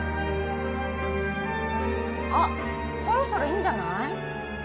あっそろそろいいんじゃない？